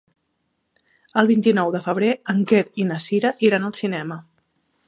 El vint-i-nou de febrer en Quer i na Cira iran al cinema.